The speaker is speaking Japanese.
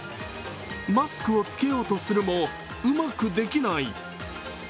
マスクをつけようとするもうまくできない。